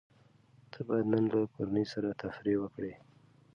ته بايد نن له کورنۍ سره تفريح وکړې.